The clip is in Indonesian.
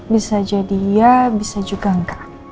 bisa jadi ya bisa juga enggak